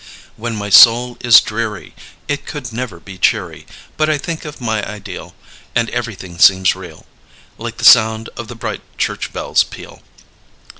When my soul is dreary It could never be cheery But I think of myideal And everything seems real Like the sound of the bright church bells peal.